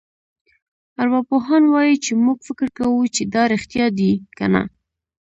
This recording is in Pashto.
ارواپوهان وايي چې موږ فکر کوو چې دا رېښتیا دي کنه.